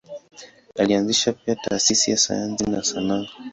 Alianzisha pia taasisi za sayansi na sanaa.